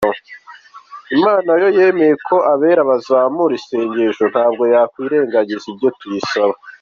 Imana iyo yemeye ko abera bazamura isengesho ntabwo yakwanga ibyo tuyisabye.